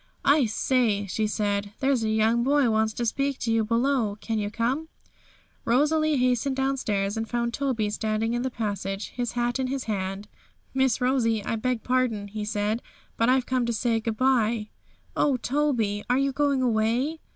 'I say,' she said, 'there's a young boy wants to speak to you below; can you come?' Rosalie hastened downstairs, and found Toby standing in the passage, his hat in his hand. 'Miss Rosie, I beg pardon,' he said, 'but I've come to say good bye.' 'Oh, Toby! are you going away?'